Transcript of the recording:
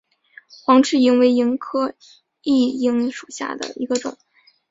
黑翅萤为萤科熠萤属下的一个种。